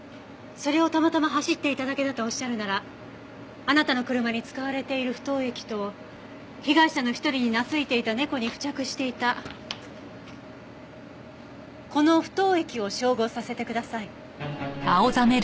それをたまたま走っていただけだとおっしゃるならあなたの車に使われている不凍液と被害者の一人に懐いていた猫に付着していたこの不凍液を照合させてください。